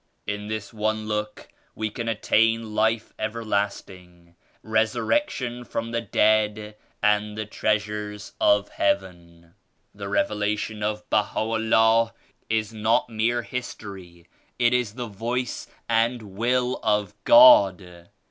In this one look we can attain life ever lasting, resurrection from the dead and the treas ures of Heaven." "The Revelation of Baha'u'LLAH is not mere history; it is the Voice and Will of God.